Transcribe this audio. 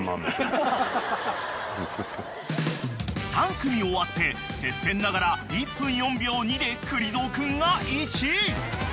［３組終わって接戦ながら１分４秒２でくり蔵君が１位］